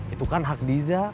itu kan hak diza